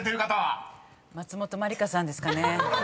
松本まりかさんですかね。